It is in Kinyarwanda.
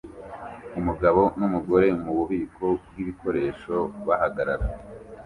Umugabo numugore mububiko bwibikoresho bahagarara